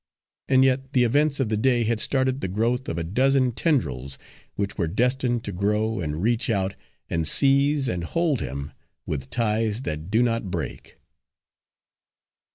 And yet the events of the day had started the growth of a dozen tendrils, which were destined to grow, and reach out, and seize and hold him with ties that do not break.